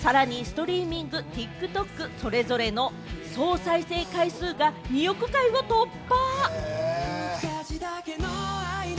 さらにストリーミング、ＴｉｋＴｏｋ、それぞれの総再生回数が２億回を突破！